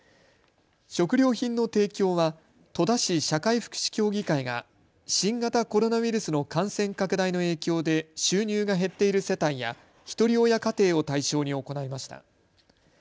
食料品の提供は戸田市社会福祉協議会が新型コロナウイルスの感染拡大の影響で収入が減っている世帯やひとり親家庭を対象に行いました。